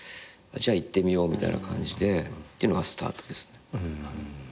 じゃあ行ってみようみたいな感じでっていうのがスタートですね。